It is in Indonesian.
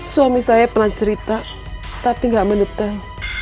suami saya pernah cerita tapi gak meneteng